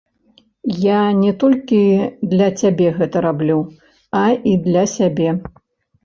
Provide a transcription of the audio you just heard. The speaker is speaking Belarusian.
Я не толькі для цябе гэта раблю, а і для сябе.